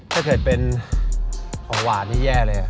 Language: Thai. ถ้าเกิดเป็นของหวานที่แย่เลย